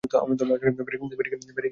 Barricade তুলে দাও।